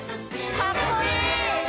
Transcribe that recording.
かっこいい。